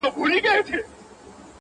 زما هدیرې ته به پېغور راځي!